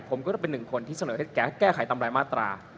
ผมก็จะเป็นหนึ่งคนที่เสนอให้แกแก้ไขตามรายมาตรา